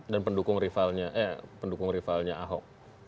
dan pendukung rivalnya ahok